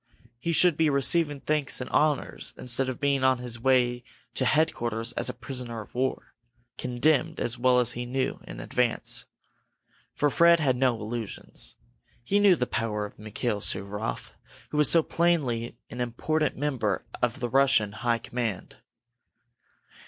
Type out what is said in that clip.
He should be receiving thanks and honors instead of being on his way to headquarters as a prisoner of war, condemned, as he well knew, in advance. For Fred had no illusions. He knew the power of Mikail Suvaroff, who was so plainly an important member of the high Russian command.